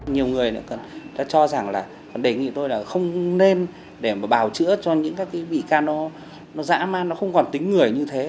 nhiều người đã cho rằng là đề nghị tôi là không nên để mà bảo chữa cho những cái bị can nó dã man nó không còn tính người như thế